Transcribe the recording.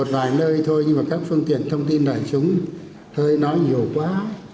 vài nơi thôi nhưng mà các phương tiện thông tin đại chúng hơi nói nhiều quá